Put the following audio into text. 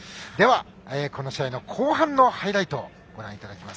では、この試合の後半のハイライトです。